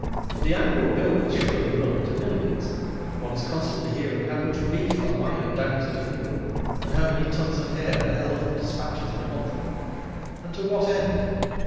The annual bill must surely run into millions; one is constantly hearing how much beef a lion downs at a meal, and how many tons of hay an elephant dispatches in a month. And to what end?